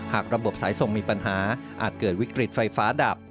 ระบบสายส่งมีปัญหาอาจเกิดวิกฤตไฟฟ้าดับ